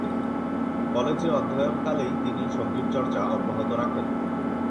কলেজে অধ্যয়নকালেই তিনি সঙ্গীতচর্চা অব্যাহত রাখেন।